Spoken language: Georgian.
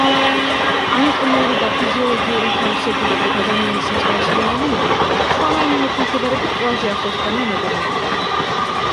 ანატომიური და ფიზიოლოგიური თავისებურებით ადამიანის მსგავსი მაიმუნები სხვა მაიმუნებთან შედარებით ყველაზე ახლო დგანან ადამიანებთან.